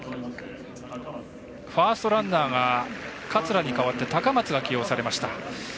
ファーストランナーが桂に代わって高松が起用されました。